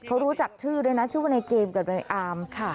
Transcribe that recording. เขารู้จักชื่อด้วยนะชื่อว่าในเกมกับในอามค่ะ